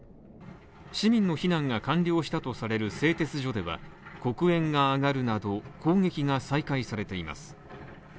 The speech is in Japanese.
市民の避難が完了したとされる製鉄所では黒煙が上がるなど攻撃が再開されています。